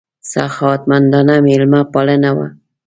سخاوتمندانه مېلمه پالنه وه.